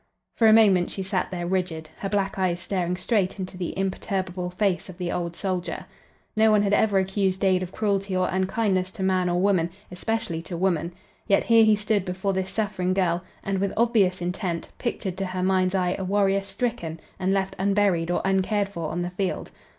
For a moment she sat there rigid, her black eyes staring straight into the imperturbable face of the old soldier. No one had ever accused Dade of cruelty or unkindness to man or woman, especially to woman; yet here he stood before this suffering girl and, with obvious intent, pictured to her mind's eye a warrior stricken and left unburied or uncared for on the field.